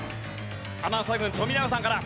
アナウンサー軍富永さんから。